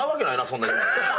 そんな夢。